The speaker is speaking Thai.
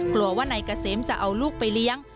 กลัวว่าไหนกระเสมจะเอาลูกไปเลี้ยง